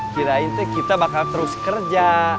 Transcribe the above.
kirain tuh kita bakal terus kerja